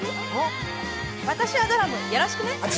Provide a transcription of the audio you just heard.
私はドラム、よろしくね。